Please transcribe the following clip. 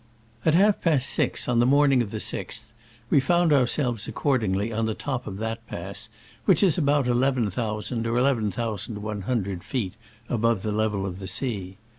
At half past six on the morning of the 6th we found ourselves accordingly on the top of that pass, which is about eleven thousand or elev en thousand one hundred feet above the level of the sea.